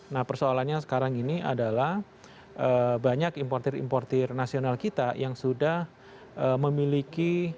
nah persoalannya sekarang ini adalah banyak importer importer nasional kita yang sudah memiliki